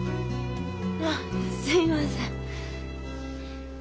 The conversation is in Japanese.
あっすいません。